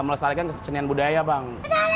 melestarikan kesecenian budaya bang